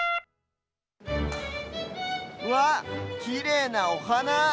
うわっきれいなおはな。